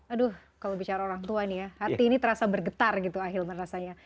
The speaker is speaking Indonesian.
aduh kalau bicara orang tua nih ya hati ini terasa bergetar gitu ahilman rasanya